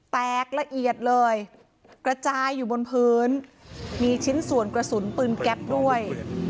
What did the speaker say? แตกละเอียดเลยกระจายอยู่บนพื้นมีชิ้นส่วนกระสุนปืนแก๊ปด้วย